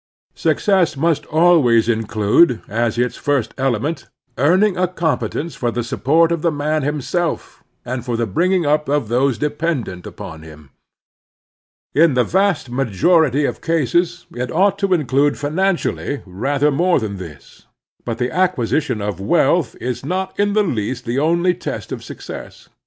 Success must always include, as its first element, earning a competence for the support of the man himself, and for the bringing up of those de pendent upon him. In the vast majority of cases it ought to include financially rather more than this. But the acquisition of wealth is not in the least the only test of success.